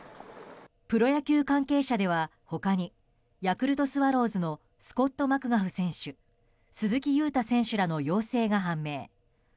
プロ野球関係者では他にヤクルトスワローズのスコット・マクガフ選手鈴木裕太選手らの陽性が判明。